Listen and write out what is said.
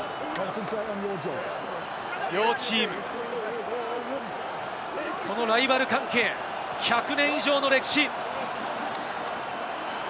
両チーム、このライバル関係、１００年以上の歴史。